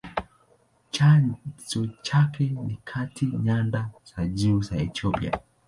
Chanzo chake ni katika nyanda za juu za Ethiopia.